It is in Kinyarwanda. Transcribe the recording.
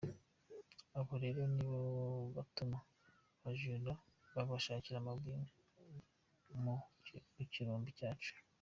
Abo rero nibo batuma abajura kubashakira amabuye mu birombe byacu.